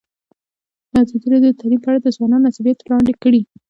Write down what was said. ازادي راډیو د تعلیم په اړه د ځوانانو نظریات وړاندې کړي.